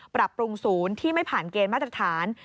ปรับปรุงศูนย์ที่ไม่ผ่านเกณฑ์มาตรฐาน